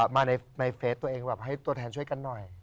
มาในเฟสตัวเองแบบให้ตัวแทนช่วยกันหน่อย